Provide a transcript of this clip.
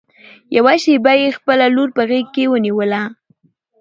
يوه شېبه يې خپله لور په غېږ کې ونيوله.